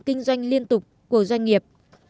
kinh doanh liên tục của doanh nghiệp